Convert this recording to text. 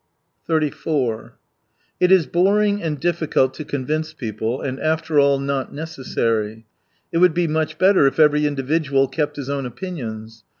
34 It is boring and difficult to convince people, and after all, not necessary. It would be much better if every individual kept his own opinions.